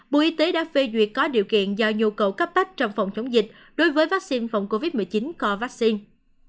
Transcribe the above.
bộ y tế đã phê duyệt có điều kiện do nhu cầu cấp bách trong phòng chống dịch đối với vaccine phòng covid một mươi chín có vaccine